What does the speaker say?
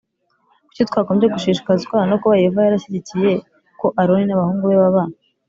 Kuki twagombye gushishikazwa no kuba Yehova yarashyigikiye ko Aroni n abahungu be baba